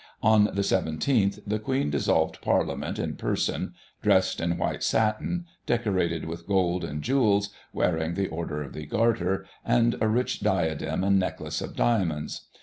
On the 17th, the Queen dissolved / Parliament in person, dressed in white satin, decorated with ^ gold and jewels, wearing the Order of the Garter and a rich ' diadem and necklace of diamonds.